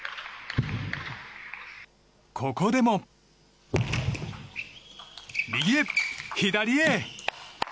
ここでも、右へ左へ！